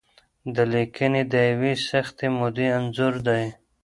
دا لیکنې د یوې سختې مودې انځور دی.